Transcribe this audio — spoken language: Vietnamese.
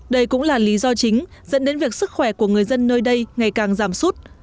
đây cũng là lý do chính dẫn đến việc sức khỏe của người dân nơi đây ngày càng giảm sút